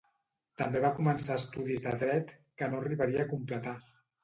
També va començar estudis de Dret, que no arribaria a completar.